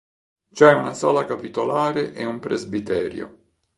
C'è una sala capitolare e un presbiterio.